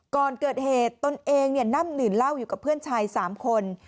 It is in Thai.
ก่อนเกิดเหตุตนเองนั่งดื่มเหล้าอยู่กับเพื่อนชาย๓คน